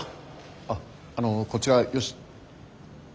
あっあのこちら吉。